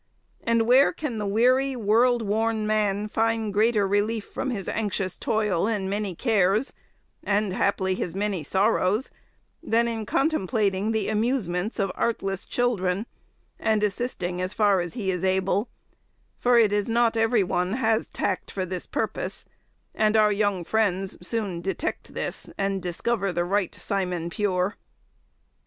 And where can the weary world worn man find greater relief from his anxious toil and many cares, and haply his many sorrows, than in contemplating the amusements of artless children, and assisting as far as he is able; for it is not every one has tact for this purpose, and our young friends soon detect this, and discover the right "Simon Pure."